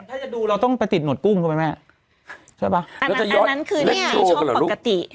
ถ้าจะดูเราต้องไปติดหนดกุ้งเข้าไปแม่ใช่ป่ะอันนั้นอันนั้นคือเนี้ยช่องปกติ